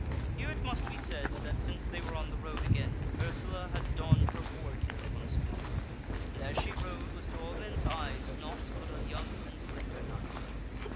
Here it must be said that since they were on the road again Ursula had donned her wargear once more, and as she rode was to all men's eyes naught but a young and slender knight.